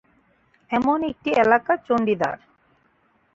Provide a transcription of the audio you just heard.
এমন একটি এলাকা চণ্ডীদার।